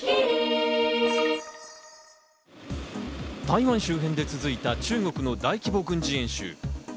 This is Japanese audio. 台湾周辺で続いた中国の大規模軍事演習。